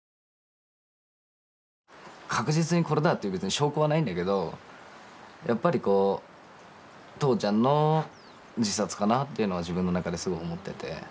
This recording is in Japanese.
確実にこれだっていう別に証拠はないんだけどやっぱりこう父ちゃんの自殺かなっていうのは自分の中ですごい思ってて。